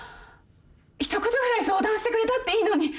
一言ぐらい相談してくれたっていいのに。